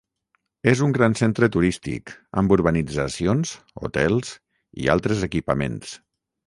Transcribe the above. És un gran centre turístic, amb urbanitzacions, hotels i altres equipaments.